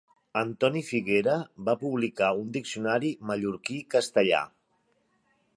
Antoni Figuera va publicar un diccionari mallorquí-castellà.